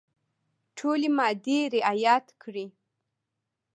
ټولي مادې رعیات کړي.